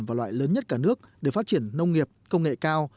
và loại lớn nhất cả nước để phát triển nông nghiệp công nghệ cao